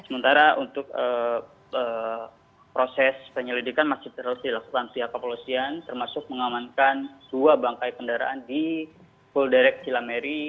sementara untuk proses penyelidikan masih terus dilakukan pihak kepolisian termasuk mengamankan dua bangkai kendaraan di full direct cilameri